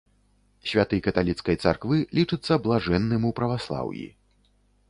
Святы каталіцкай царквы, лічыцца блажэнным у праваслаўі.